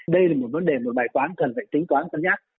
đây là một vấn đề một bài toán cần phải tính toán cân nhắc